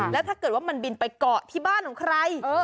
แล้วถ้าเกิดว่ามันบินไปเกาะที่บ้านของใคร